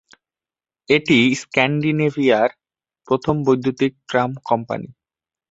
এটি স্ক্যান্ডিনেভিয়ার প্রথম বৈদ্যুতিক ট্রাম কোম্পানি।